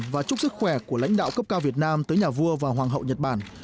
và chúc sức khỏe của lãnh đạo cấp cao việt nam tới nhà vua và hoàng hậu nhật bản